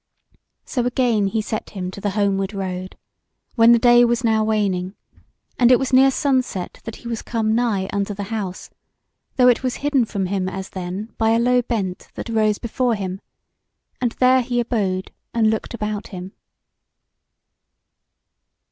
So again he set him to the homeward road, when the day was now waning, and it was near sunset that he was come nigh unto the house, though it was hidden from him as then by a low bent that rose before him; and there he abode and looked about him.